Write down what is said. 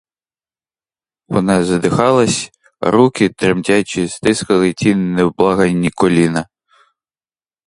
Вона задихалась, а руки, тремтячи, стискали ті невблаганні коліна.